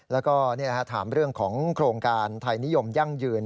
แล้วก็ถามเรื่องของโครงการไทยนิยมยั่งยืน